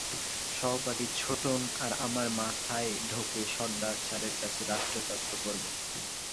সহপাঠী ছোটন আর আমার মাথায় ঢোকে সরদার স্যারের কাছে রাষ্ট্রতত্ত্ব পড়ব।